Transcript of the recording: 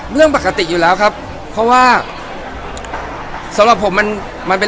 เรื่องปกติอยู่แล้วครับเพราะว่าสำหรับผมมันมันเป็น